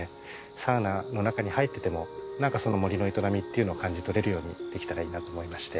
サウナの中に入っててもなんかその森の営みっていうのを感じ取れるようにできたらいいなと思いまして。